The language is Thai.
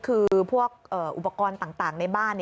คือพวกอุปกรณ์ต่างในบ้าน